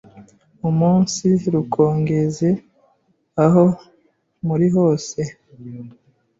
umunsirukongeze eho muri hose,